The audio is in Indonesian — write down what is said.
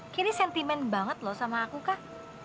kini sentimen banget loh sama aku kah